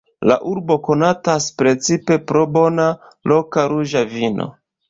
La urbo konatas precipe pro bona loka ruĝa vino.